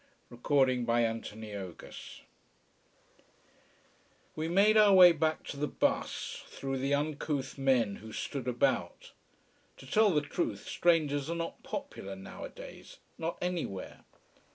We made our way back to the bus, through the uncouth men who stood about. To tell the truth, strangers are not popular nowadays not anywhere.